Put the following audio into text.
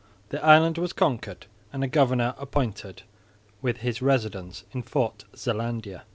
The island was conquered and a governor appointed with his residence at Fort Zelandia.